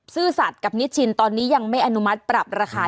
ซื่อสัตว์กับนิชชินตอนนี้ยังไม่อนุมัติปรับราคา